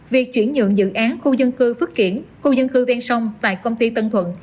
việc chuyển nhượng dự án khu dân cư phước kiển khu dân cư ven sông tại công ty tân thuận